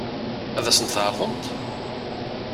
Ad sent-t-tɛeṛḍemt?